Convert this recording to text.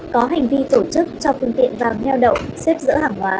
có hành vi tổ chức cho phương tiện vàng heo đậu xếp giữa hàng hóa